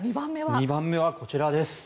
２番目はこちらです。